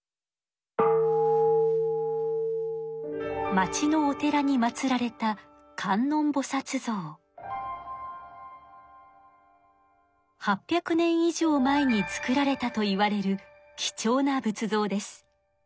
町のお寺に祭られた８００年以上前に作られたといわれるきちょうな仏像です。